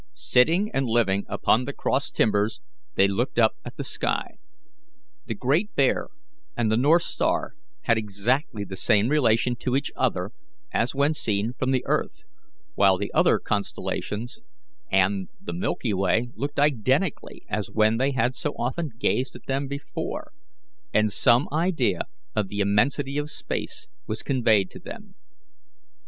Sitting and living upon the cross timbers, they looked up at the sky. The Great Bear and the north star had exactly the same relation to each other as when seen from the earth, while the other constellations and the Milky Way looked identically as when they had so often gazed at them before, and some idea of the immensity of space was conveyed to them.